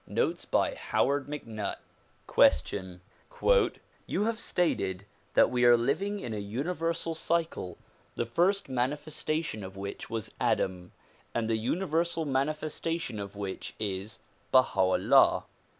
Notes by Howard MacNutt Question: "You have stated that 'we are living in a universal cycle the first manifestation of which was Adam and the universal manifestation of which is Baha 'Ullah.